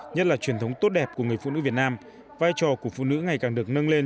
nhất là truyền thống tốt đẹp của người phụ nữ việt nam vai trò của phụ nữ ngày càng được nâng lên